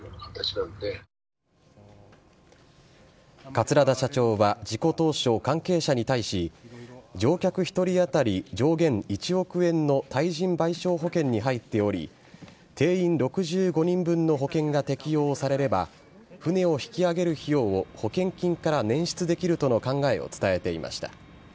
桂田社長は事故当初関係者に対し乗客１人当たり上限１億円の対人賠償保険に入っており定員６５人分の保険が適用されれば船を引き揚げる費用を保険金から捻出できるとの考えを伝えていました。